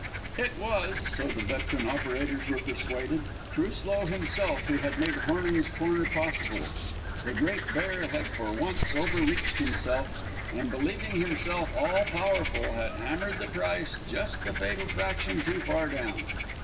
It was so the veteran operators were persuaded Truslow himself who had made Hornung's corner possible. The Great Bear had for once over reached himself, and, believing himself all powerful, had hammered the price just the fatal fraction too far down.